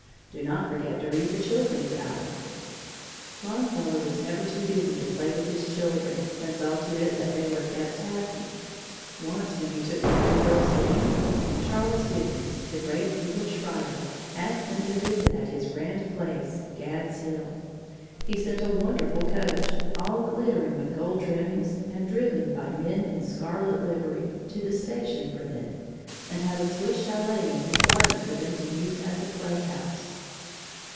Do not forget to read "The Children's Hour." Longfellow was never too busy to play with his children and saw to it that they were kept happy. Once when he took the three girls to England, Charles Dickens, the great English writer, asked them to visit at his grand place, Gads Hill. He sent a wonderful coach, all glittering with gold trimmings and driven by men in scarlet livery, to the station for them, and had a Swiss chalet in his garden for them to use as a playhouse.